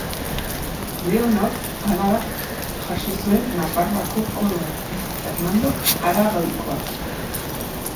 Leonor alabak jaso zuen Nafarroako koroa, eta Fernandok Aragoikoa.